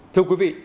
thưa quý vị